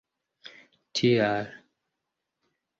tial